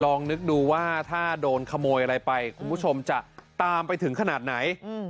ลองนึกดูว่าถ้าโดนขโมยอะไรไปคุณผู้ชมจะตามไปถึงขนาดไหน